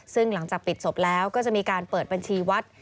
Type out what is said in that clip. ซึ่งหลังจากปิดศพแล้วก็จะมีการเปิดบัญชีวัด